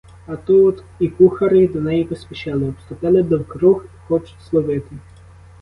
А ту от і кухарі до неї поспішили, обступили довкруг, хочуть зловити.